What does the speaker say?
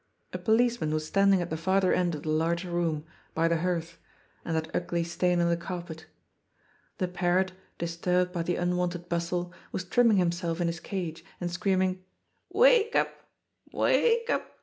A policeman was standing at the farther end of the large room, by the hearth — and that ugly stain on the carpet. The parrot, disturbed by the unwonted bustle, was trim ming himself in his cage and screaming, '^ Wake up ! Wake up